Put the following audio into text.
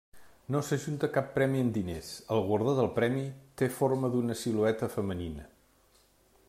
No s'adjunta cap premi en diners; el guardó del premi té forma d'una silueta femenina.